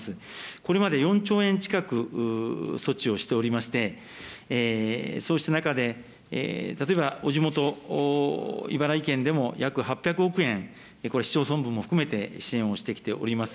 これまで４兆円近く措置をしておりまして、そうした中で、例えばお地元茨城県でも約８００億円、これ市町村分も含めて支援をしてきております。